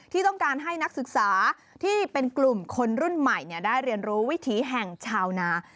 ที่ต้องการให้นักศึกษาที่เป็นกลุ่มคนรุ่นใหม่ได้เรียนรู้วิถีแห่งชาวนา